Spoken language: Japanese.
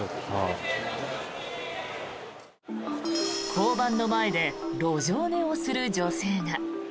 交番の前で路上寝をする女性が。